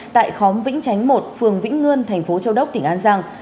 tại khóm vĩnh chánh một phường vĩnh ngươn thành phố châu đốc tỉnh an giang